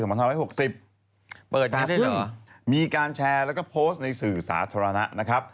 แต่ถึงมีการแชร์และโพสต์ในสื่อสาธารณะ